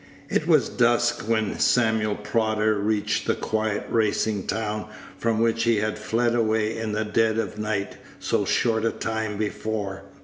It was dusk when Samuel Prodder reached the quiet racing town from which he had fled away in the dead of the night so short a time before.